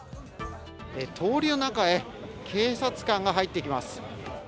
通りの中へ警察官が入ってきます。